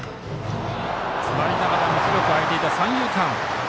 詰まりながらも広く空いていた三遊間。